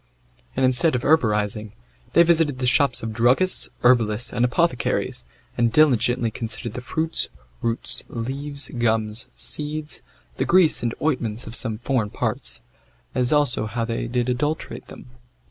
And, instead of herborizing, they visited the shops of druggists, herbalists, and apothecaries, and diligently considered the fruits, roots, leaves, gums, seeds, the grease and ointments of some foreign parts, as also how they did adulterate them.